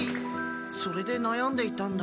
それでなやんでいたんだ。